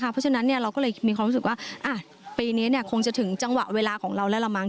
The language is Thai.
เพราะฉะนั้นเราก็เลยมีความรู้สึกว่าปีนี้คงจะถึงจังหวะเวลาของเราแล้วละมั้